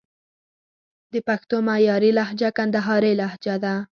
د پښتو معیاري لهجه کندهارۍ لجه ده